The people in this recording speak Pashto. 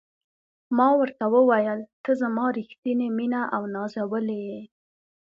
ما ورته وویل: ته زما ریښتینې مینه او نازولې یې.